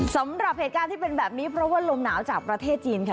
สำหรับเหตุการณ์ที่เป็นแบบนี้เพราะว่าลมหนาวจากประเทศจีนค่ะ